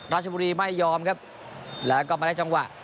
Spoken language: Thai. ราชบุรีไม่ยอมครับแล้วก็มาได้จังหวะ